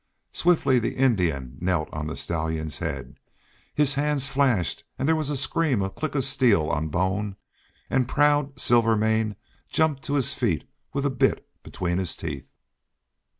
Swiftly the Indian knelt on the stallion's head; his hands flashed; there was a scream, a click of steel on bone; and proud Silvermane jumped to his feet with a bit between his teeth.